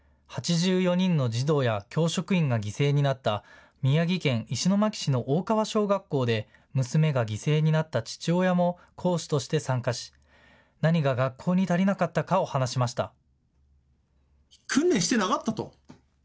８４人の児童や教職員が犠牲になった宮城県石巻市の大川小学校で娘が犠牲になった父親も講師として参加し、何が学校に足りなかったかを話しました。